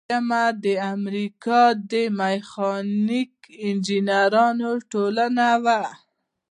دریمه د امریکا د میخانیکي انجینری ټولنه وه.